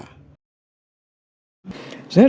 sebenarnya depok ini kebutuhan mas khaesang